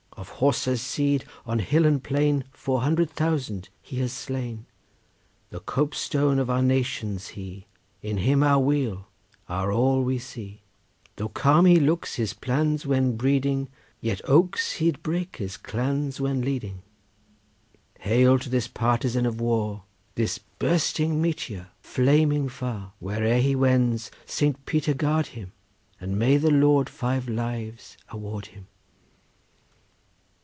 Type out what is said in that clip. Of Horsa's seed on hill and plain Four hundred thousand he has slain. The cope stone of our nation's he, In him our weal, our all we see; Though calm he looks his plans when breeding, Yet oaks he'd break his clans when leading. Hail to this partisan of war, This bursting meteor flaming far! Where'er he wends Saint Peter guard him, And may the Lord five lives award him!